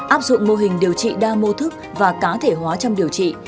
áp dụng mô hình điều trị đa mô thức và cá thể hóa trong điều trị